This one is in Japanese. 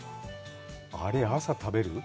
あれ、朝食べる？